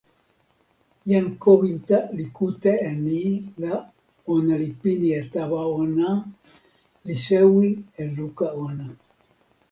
jan Kowinta li kute e ni la ona li pini e tawa ona, li sewi e luka ona.